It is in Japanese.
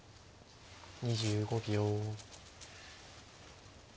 ２５秒。